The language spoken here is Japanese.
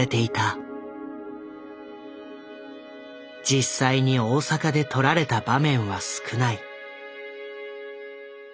実際に大阪で撮られた場面は少ない。